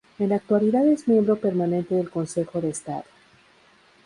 En la actualidad es miembro permanente del Consejo de Estado.